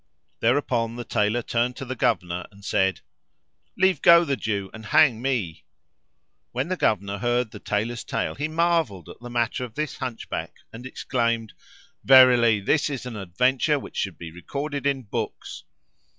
Thereupon the Tailor turned to the Governor, and said, "Leave go the Jew and hang me." When the Governor heard the Tailor's tale he marvelled at the matter of this Hunchback and exclaimed. "Verily this is an adventure which should be recorded in books!"